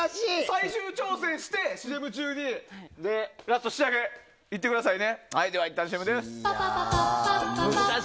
最終調整してラスト仕上げいってください。